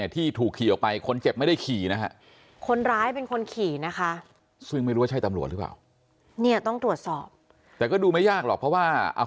ที่ถูกขี่ออกไปคนเจ็บไม่ได้ขี่นะฮะคนร้ายเป็นคนขี่นะคะซึ่งไม่รู้ว่าใช่ตำรวจหรือเปล่าเนี่ยต้องตรวจสอบแต่ก็ดูไม่ยากหรอกเพราะว่าเอา